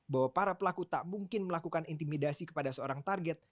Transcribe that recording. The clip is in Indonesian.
bahwa para pelaku tak mungkin melakukan intimidasi kepada seorang target